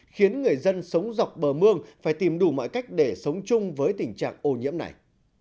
khiến người dân sống dọc bờ mương phải tìm đủ mọi cách để sống chung với tình trạng ô nhiễm này